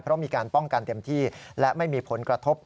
เพราะมีการป้องกันเต็มที่และไม่มีผลกระทบ